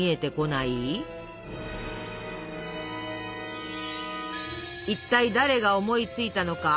いったい誰が思いついたのか。